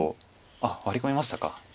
あっワリ込みましたか。